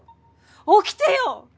起きてよ！